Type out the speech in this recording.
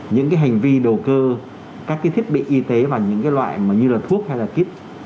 những cái hành vi đầu cơ các cái thiết bị y tế và những cái loại như là thuốc hay là kiếp